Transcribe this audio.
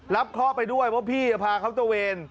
รับเค้าไปด้วยเพราะว่าพี่จะพาเขาไปเวร